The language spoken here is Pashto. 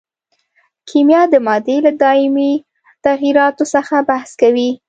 کیمیا د مادې له دایمي تغیراتو څخه بحث کوي.